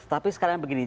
tapi sekalian begini